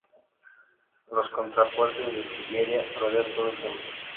Los contrafuertes de sillería rodean todo el templo.